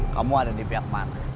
kamu ada di pihak mana